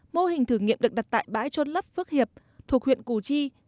mô hình thử nghiệm được đặt tại bãi trôn lấp phước hiệp thuộc huyện củ chi